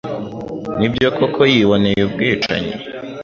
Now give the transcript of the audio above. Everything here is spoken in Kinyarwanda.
Nibyo koko yiboneye ubwicanyi?